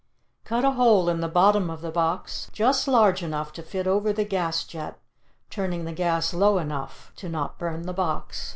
Cut a hole in the bottom of the box just large enough to fit over the gas jet, turning the gas low enough to not burn the box.